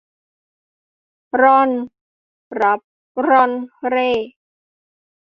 ร่อนรับร่อนเร่